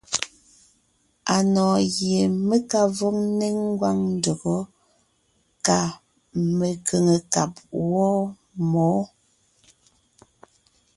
Anɔ̀ɔn gie mé ka vɔg ńnéŋ ngwáŋ ndÿɔgɔ́ kà mekʉ̀ŋekab wɔ́ɔ mǒ.